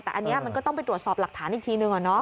แต่อันนี้มันก็ต้องไปตรวจสอบหลักฐานอีกทีนึง